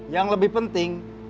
yang lebih penting